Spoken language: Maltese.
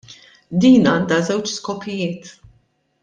Din għandha żewġ skopijiet.